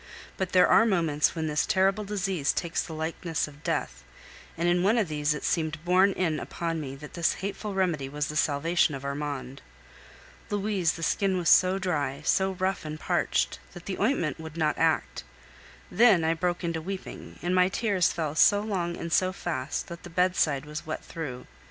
But there are moments when this terrible disease takes the likeness of death, and in one of these it seemed borne in upon me that this hateful remedy was the salvation of Armand. Louise, the skin was so dry, so rough and parched, that the ointment would not act. Then I broke into weeping, and my tears fell so long and so fast, that the bedside was wet through.